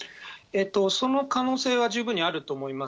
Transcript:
その可能性は十分にあると思います。